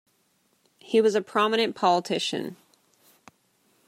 He was a prominent politician.